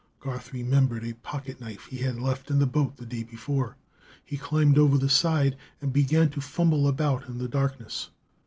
Garth remembered a pocket knife he had left in the boat the day before. He climbed over the side and began to fumble about in the darkness.